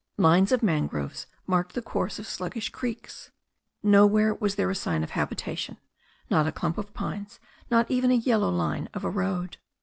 Lines of mangroves marked the course of sluggish creeks. Nowhere was there a sign of habitation; not a clump of pines, not even the yellow line of a road.